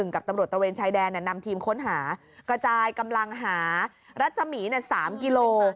กับตำรวจตระเวนชายแดนนำทีมค้นหากระจายกำลังหารัศมี๓กิโล